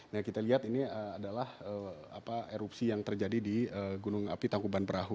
nah kita lihat ini adalah erupsi yang terjadi di gunung api tangkuban perahu